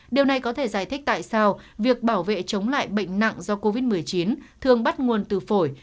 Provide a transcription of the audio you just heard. điều này có thể giải thích tại sao việc bảo vệ chống lại bệnh nặng do covid một mươi chín thường bắt nguồn từ phổi